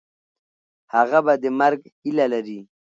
هغه به د مرګ هیله لري.